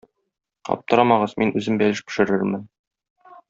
Аптырамагыз, мин үзем бәлеш пешерермен.